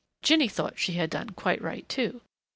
Jinny thought she had done quite right, too.